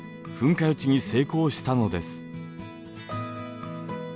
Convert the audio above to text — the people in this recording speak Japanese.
噴火予知に成功したのです。